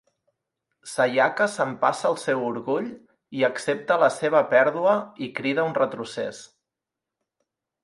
Sayaka s'empassa el seu orgull i accepta la seva pèrdua i crida un retrocés.